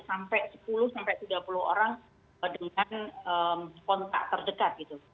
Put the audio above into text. sampai sepuluh tiga puluh orang dengan kontak terdekat gitu